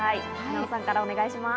奈緒さんからお願いします。